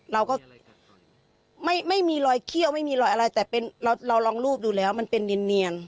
เราก็ไม่มีรอยเขี้ยวไม่มีรอยอะไรแต่เราลองรูปดูแล้วมันเป็นเนียน